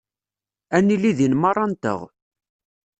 Ad nili din merra-nteɣ.